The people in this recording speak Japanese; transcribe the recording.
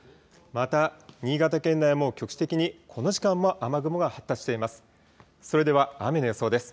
また新潟県内も局地的にこの時間も雨雲が発達しています。